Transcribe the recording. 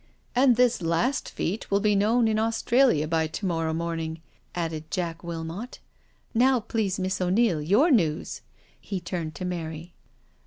"" And this last feat will be known in Australia by to morrow morning," added Jack Wilmot. '* Now, please. Miss O'Neil, your news?" He turned to Mary.